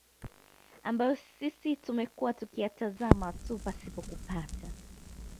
ambayo sisi tumekuwa tukiyatazama tu pasipo kupata